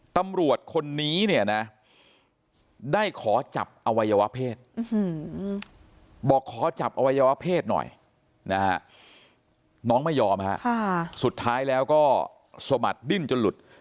ตำรวจคนนี้เนี่ยนะได้ขอจับอวัยวะเพศบอกขอจับอวัยวะเพศหน่อยนะฮะน้องไม่ยอมฮะสุดท้ายแล้วก็สมัครดิ้นจนหลุด